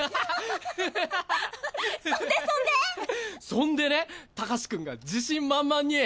そんでねたかし君が自信満々に。